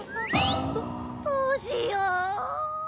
どどうしよう。